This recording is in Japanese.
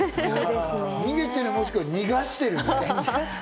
逃げてる、もしくは逃がしてる。